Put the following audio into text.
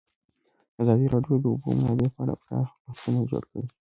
ازادي راډیو د د اوبو منابع په اړه پراخ بحثونه جوړ کړي.